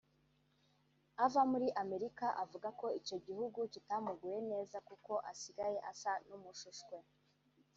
ava muri Amerika avuga ko icyo gihugu kitamuguye neza kuko asigaye asa n’umushushwe